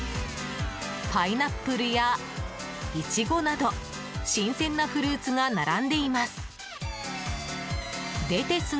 パイナップルやイチゴなど新鮮なフルーツが並んでいます。